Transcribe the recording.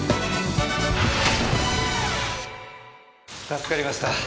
助かりました。